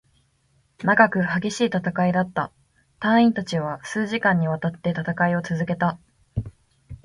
長く、激しい戦いだった。隊員達は数時間に渡って戦いを続けた。